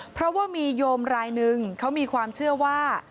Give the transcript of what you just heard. เพราะว่ามีโยมรายนึงเขามีความเชื่อว่า